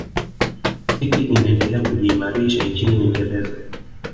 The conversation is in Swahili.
city inaendelea kujiimarisha nchini uingereza